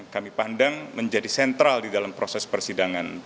kami pandang menjadi sentral di dalam proses persidangan